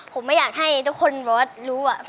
ผมไม่อยากให้ทุกคนรู้